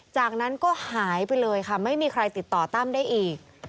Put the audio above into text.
จากนั้นก็หายไปเลยค่ะไม่มีใครติดต่อตั้มได้อีก